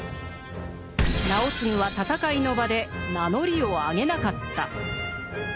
直次は戦いの場で名乗りをあげなかった。